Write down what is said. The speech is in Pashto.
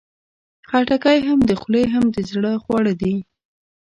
خټکی هم د خولې، هم د زړه خواړه دي.